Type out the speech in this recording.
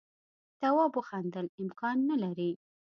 تواب وخندل امکان نه لري.